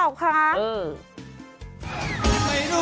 จัดกระบวนพร้อมกัน